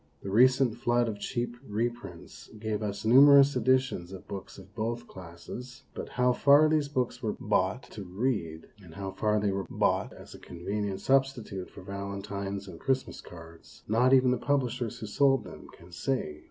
The recent flood of cheap reprints gave us numerous editions of books of both classes, but how far these books were bought to read, and how far they were bought as a convenient substitute for valentines and Christmas cards, not even the publishers who sold them can say.